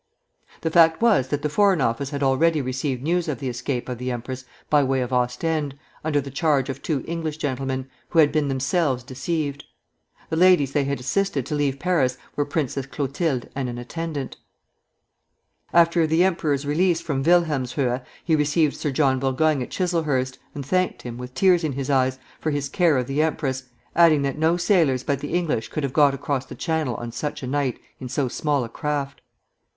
The fact was that the Foreign Office had already received news of the escape of the empress by way of Ostend, under the charge of two English gentlemen, who had been themselves deceived. The ladies they had assisted to leave Paris were Princess Clotilde and an attendant. After the emperor's release from Wilhelmshöhe he received Sir John Burgoyne at Chiselhurst, and thanked him, with tears in his eyes, for his care of the empress, adding that no sailors but the English could have got across the Channel on such a night in so small a craft.